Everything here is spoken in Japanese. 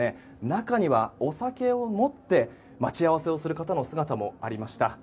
中にはお酒を持って待ち合わせをする方の姿もありました。